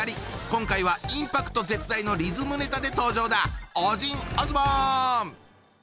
今回はインパクト絶大のリズムネタで登場だ！